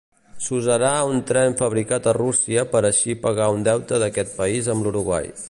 S'usarà un tren fabricat a Rússia per així pagar un deute d'aquest país amb l'Uruguai.